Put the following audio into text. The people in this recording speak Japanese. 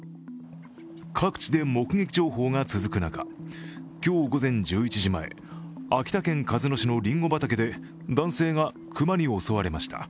各地で目撃情報が続く中、今日午前１１時前秋田県鹿角市のりんご畑で男性が熊に襲われました。